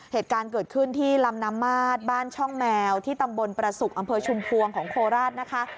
เหตุการณ์เกิดขึ้นที่ลำน้ำมาดบ้านช่องแมวที่ตำบลประสุกอำเภอชุมพวงของโคราชนะคะ